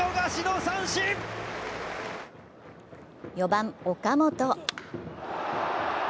４番・岡本。